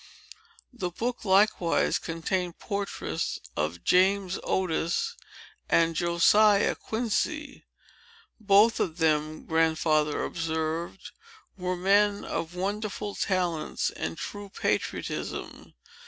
The book likewise contained portraits of James Otis and Josiah Quincy. Both of them, Grandfather observed, were men of wonderful talents and true patriotism.